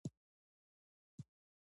زه ښه دوستان غوره کوم.